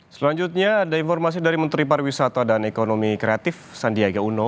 selanjutnya ada informasi dari menteri pariwisata dan ekonomi kreatif sandiaga uno